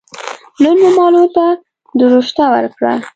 نن مو مالو ته دروشته ور کړه